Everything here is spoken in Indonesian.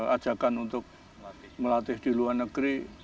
ajakan untuk melatih di luar negeri